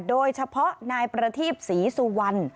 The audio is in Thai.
โดยเฉพาะนายประทีปศรีสุวรรณ